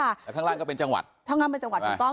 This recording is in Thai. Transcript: แต่ข้างล่างก็เป็นจังหวัดถ้างั้นเป็นจังหวัดถูกต้อง